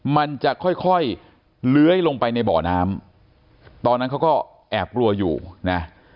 มันจะค่อยค่อยเลื้อยลงไปในบ่อน้ำตอนนั้นเขาก็แอบกลัวอยู่นะ